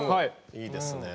いいですねえ。